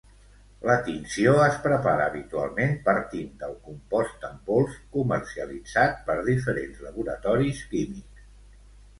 La tinció es prepara habitualment partint del compost en pols comercialitzat per diferents laboratoris químics.